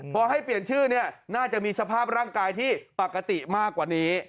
พอให้เปลี่ยนชื่อเนี่ยน่าจะมีสภาพร่างกายที่ปกติมากกว่านี้